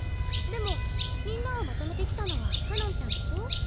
でもみんなをまとめてきたのはかのんちゃんでしょ？